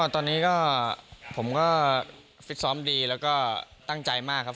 ตอนนี้ก็ผมก็ฟิตซ้อมดีแล้วก็ตั้งใจมากครับ